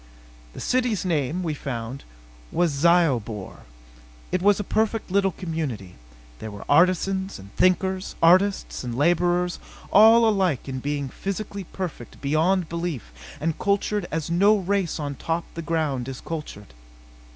The city's name, we found, was Zyobor. It was a perfect little community. There were artisans and thinkers, artists and laborers all alike in being physically perfect beyond belief and cultured as no race on top the ground is cultured.